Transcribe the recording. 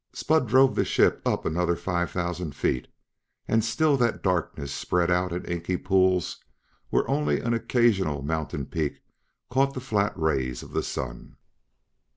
Spud drove the ship up another five thousand feet, and still that darkness spread out in inky pools where only an occasional mountain peak caught the flat rays of the sun.